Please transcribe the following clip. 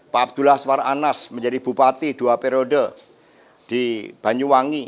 pak abdullah suara anas menjadi bupati dua periode di banyuwangi